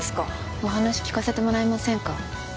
お話聞かせてもらえませんか？